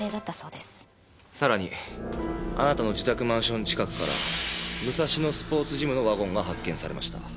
さらにあなたの自宅マンション近くから武蔵野スポーツジムのワゴンが発見されました。